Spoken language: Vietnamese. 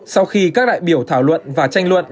sau khi các đại biểu thảo luận và tranh luận